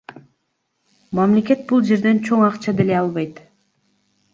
Мамлекет бул жерден чоң акча деле албайт.